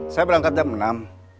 saya berangkat jam enam